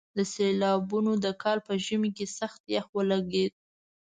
د سېلاوونو د کال په ژمي سخت يخ ولګېد.